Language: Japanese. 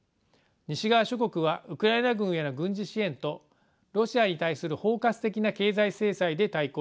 西側諸国はウクライナ軍への軍事支援とロシアに対する包括的な経済制裁で対抗しています。